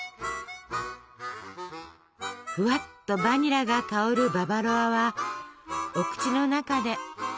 ふわっとバニラが香るババロアはお口の中でとろっととろけます。